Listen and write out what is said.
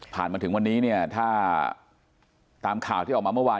มาถึงวันนี้เนี่ยถ้าตามข่าวที่ออกมาเมื่อวาน